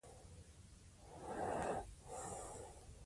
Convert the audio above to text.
لوستې نجونې د ټولنې خدمت ته تل چمتو وي.